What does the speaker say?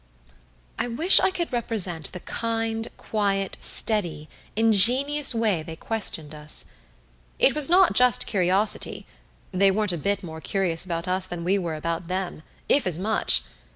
I wish I could represent the kind, quiet, steady, ingenious way they questioned us. It was not just curiosity they weren't a bit more curious about us than we were about them, if as much.